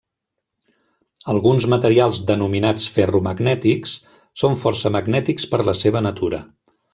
Alguns materials denominats ferromagnètics són força magnètics per la seva natura.